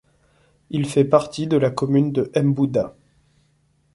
Il fait partie de la commune de Mbouda.